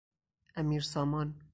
امیرسامان